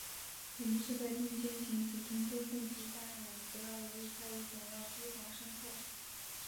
我们是在并肩前行，同舟共济，但是我们不要由于猜疑，总要提防身后。